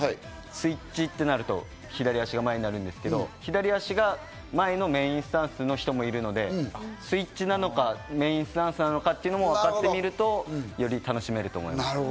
スイッチとなると、左足が前になるんですけど、左足が前のメインスタンスの人もいるので、スイッチなのかメインスタンスなのかというのも見るとより楽しめると思います。